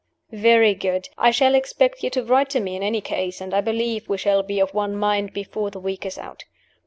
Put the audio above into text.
"Very good. I shall expect you to write to me, in any case; and I believe we shall be of one mind before the week is out.